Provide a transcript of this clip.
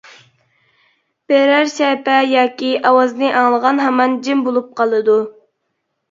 بىرەر شەپە ياكى ئاۋازنى ئاڭلىغان ھامان جىم بولۇپ قالىدۇ.